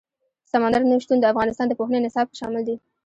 سمندر نه شتون د افغانستان د پوهنې نصاب کې شامل دي.